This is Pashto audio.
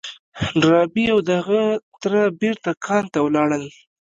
ډاربي او د هغه تره بېرته کان ته ولاړل.